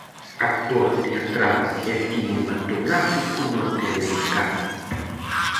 Actor teatral e cinematográfico norteamericano.